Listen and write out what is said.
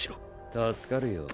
助かるよ。